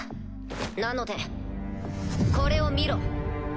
なのでこれを見ろ。